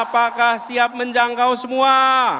apakah siap menjangkau semua